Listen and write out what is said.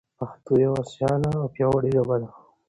پښتو یوه سیاله او پیاوړي ژبه ده.